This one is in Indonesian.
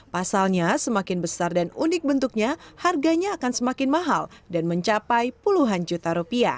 pasalnya semakin besar dan unik bentuknya harganya akan semakin mahal dan mencapai puluhan juta rupiah